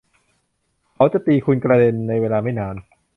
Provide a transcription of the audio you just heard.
เขาจะตีคุณกระเด็นในเวลาไม่นาน